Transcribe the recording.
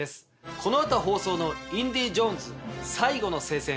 この後放送の『インディ・ジョーンズ最後の聖戦』。